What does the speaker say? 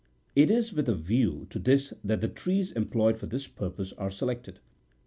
It is with a view to this that the trees employed for this purpose are selected.